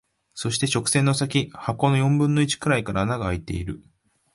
そして、直線の先、箱の四分の一くらいから穴が空いている。